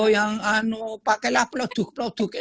yang diiklan itu produk indonesia yang